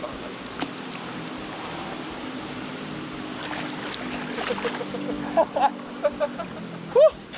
perkara canyon kita ke sembilan